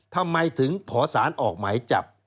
ทำไมถึงขอสารออกหมายจับ